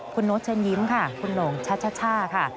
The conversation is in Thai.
คุณโน๊ตเช่นยิ้มค่ะคุณหลงชะชะช่าค่ะ